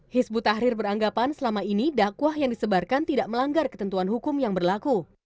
hizbut tahrir beranggapan selama ini dakwah yang disebarkan tidak melanggar ketentuan hukum yang berlaku